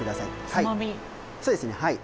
そうですねはい。